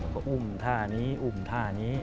ก็อุ้มท่านี้อุ้มท่านี้